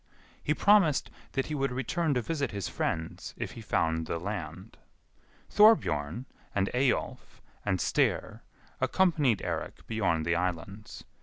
He promised that he would return to visit his friends if he found the land. Thorbjorn, and Eyjolf, and Styr accompanied Eirik beyond the islands.